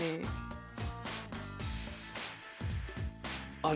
あれ？